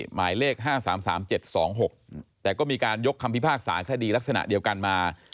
หมายเลข๕๓๓๗๒๖แต่ก็มีการยกคำพิพากษาคดีลักษณะเดียวกันมา